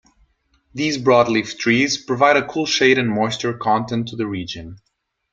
These broadleaf trees provide a cool shade and moisture content to the region.